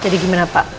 jadi gimana pak